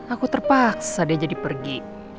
aku terpaksa dia jadi pergi